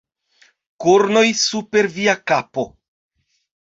Kornoj super via kapo!